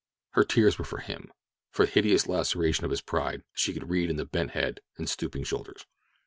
Her tears were for him, for the hideous laceration of his pride that she could read in the bent head and the stooping shoulders.